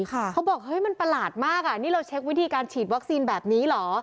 เขาบอกเฮ้ยมันประหลาดมากอ่ะนี่เราเช็ควิธีการฉีดวัคซีนแบบนี้เหรอ